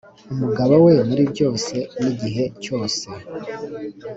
umugabo we muri byose n’igihe cyose.